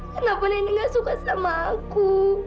kenapa nenek gak suka sama aku